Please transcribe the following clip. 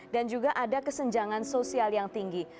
dan juga ada kesenjangan sosial yang tinggi